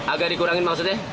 agak dikurangin maksudnya